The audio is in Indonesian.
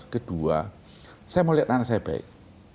kedua saya mau lihat anak saya baik